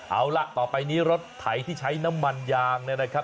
เอาล่ะต่อไปนี้รถไถที่ใช้น้ำมันยางเนี่ยนะครับ